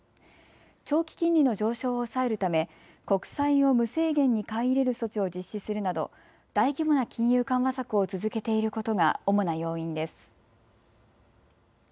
長期金利の上昇を抑えるため国債を無制限に買い入れる措置を実施するなど大規模な金融緩和策を続けていることが主な要因です。